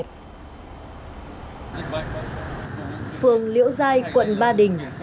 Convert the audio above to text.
phường liễu giai quận ba đình